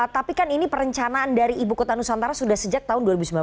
tapi kan ini perencanaan dari ibu kota nusantara sudah sejak tahun dua ribu sembilan belas